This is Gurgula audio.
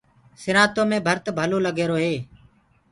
سِرآنٚتو مينٚ ڀرت ڀلو لگرو هي۔